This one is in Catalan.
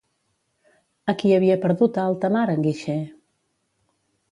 A qui havia perdut a alta mar, en Guixer?